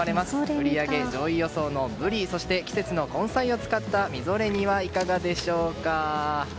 売り上げ上位予想のブリそして季節の根菜を使ったみぞれ煮はいかがでしょうか。